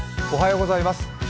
おはようございます。